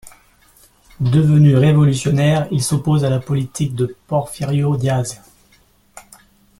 Devenu révolutionnaire, il s'oppose à la politique de Porfirio Díaz.